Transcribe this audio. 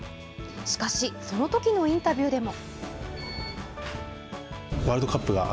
しかし、そのときのインタビューでも。